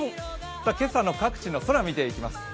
今朝の各地の空、見ていきます。